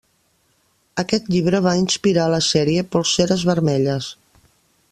Aquest llibre va inspirar la sèrie Polseres vermelles.